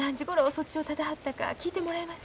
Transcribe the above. そっちをたたはったか聞いてもらえます？